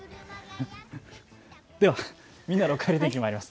では、みんなのおかえり天気まいります。